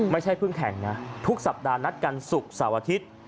ไม่ใช่เพิ่งแข่งนะทุกสัปดาห์นัดกันศุกร์เสาร์อาทิตย์